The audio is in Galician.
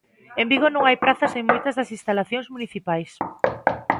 En Vigo non hai prazas en moitas das instalacións municipais.